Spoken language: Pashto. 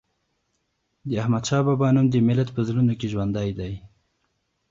د احمد شاه بابا نوم د ملت په زړونو کې ژوندی دی.